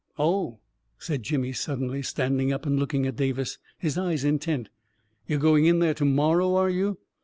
" Oh," said Jimmy, suddenly standing up and looking at Davis, his eyes intent; " you're going in there to morrow, are you